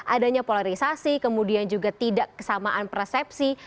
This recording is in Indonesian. adanya polarisasi kemudian juga tidak kesamaan persepsi